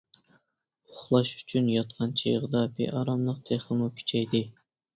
ئۇخلاش ئۈچۈن ياتقان چېغىدا بىئاراملىق تېخىمۇ كۈچەيدى.